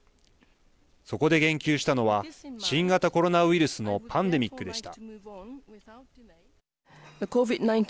そこで言及したのは新型コロナウイルスのパンデミックでした。